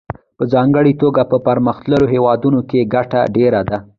په ځانګړې توګه په پرمختللو هېوادونو کې ګټه ډېره ده